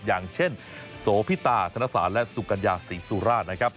อย่างเช่นโสพิตาธนสารและสุกัญญาศรีสุราชนะครับ